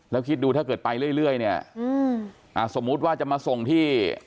แล้วคิดดูถ้าเกิดไปเรื่อยเนี่ยสมมุติว่าจะมาส่งที่